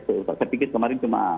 saya pikir kemarin cuma